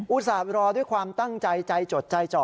ส่าห์รอด้วยความตั้งใจใจจดใจจ่อ